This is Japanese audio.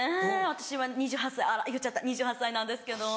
私は２８歳あら言っちゃった２８歳なんですけど。